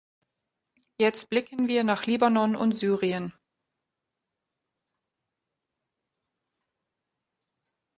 Jetzt blicken wir nach Libanon und Syrien.